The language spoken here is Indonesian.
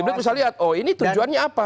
publik bisa lihat oh ini tujuannya apa